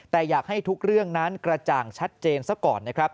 แต่อยากให้ทุกเรื่องนั้นกระจ่างชัดเจนซะก่อนนะครับ